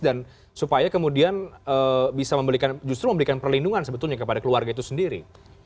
dan supaya kemudian bisa memberikan justru memberikan perlindungan sebetulnya kepada keluarga itu sendiri